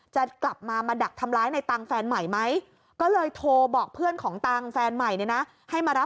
จะกลับมามาดักทำร้ายในตังค์แฟนใหม่ไหม